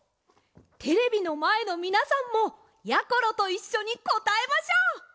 テレビのまえのみなさんもやころといっしょにこたえましょう。